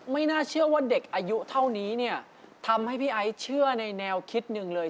ไม่น่าเชื่อว่าเด็กอายุเท่านี้เนี่ยทำให้พี่ไอ้เชื่อในแนวคิดหนึ่งเลย